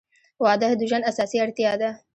• واده د ژوند اساسي اړتیا ده.